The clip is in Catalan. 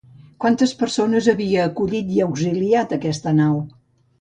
Quantes persones havia acollit i auxiliat aquesta nau?